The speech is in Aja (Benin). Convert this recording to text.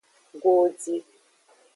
Godi.